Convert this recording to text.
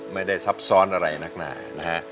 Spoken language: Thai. ไม่ได้ซับซ้อนอะไรนักหน่านะครับ